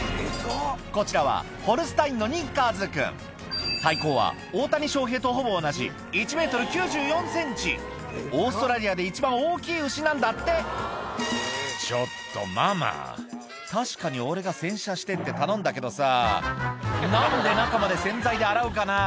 こちらはホルスタインの大谷翔平とほぼ同じオーストラリアで一番大きい牛なんだって「ちょっとママ確かに俺が洗車してって頼んだけどさ何で中まで洗剤で洗うかな？」